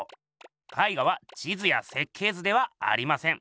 絵画は地図や設計図ではありません。